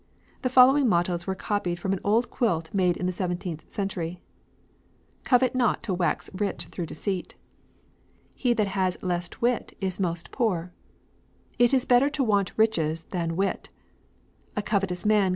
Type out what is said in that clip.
The following mottoes were copied from an old quilt made in the seventeenth century: "Covet not to wax riche through deceit," "He that has lest witte is most poore," "It is better to want riches than witte," "A covetous man cannot be riche."